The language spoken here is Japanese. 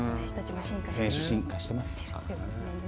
選手、進化してます。